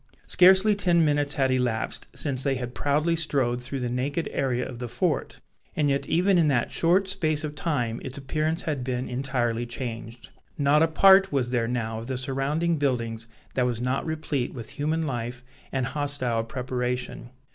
Scarcely ten minutes had elapsed since they had proudly strode through the naked area of the fort, and yet even in that short space of time its appearance had been entirely changed. Not a part was there now of the surrounding buildings that was not replete with human life and hostile preparation.